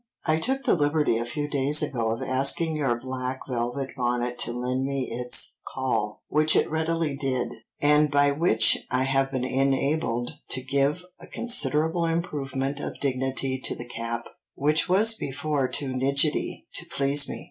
"I took the liberty a few days ago of asking your black velvet bonnet to lend me its caul, which it readily did, and by which I have been enabled to give a considerable improvement of dignity to the cap, which was before too nidgetty to please me....